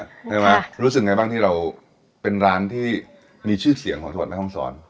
ใช่ไหมรู้สึกไงบ้างที่เราเป็นร้านที่มีชื่อเสียงของจังหวัดแม่ห้องศร